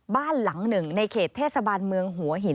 บ้านหลังหนึ่งในเขตเทศบาลเมืองหัวหิน